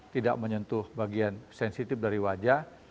tidak menyentuh bagian sensitif dari wajah